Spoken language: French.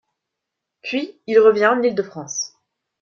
Puis il revient en Ile-de-France.